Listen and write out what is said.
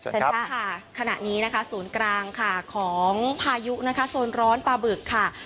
เชิญค่ะขณะนี้นะคะศูนย์กลางค่ะของพายุนะคะโซนร้อนปลาบึกค่ะ